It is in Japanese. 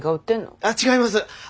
あ違います。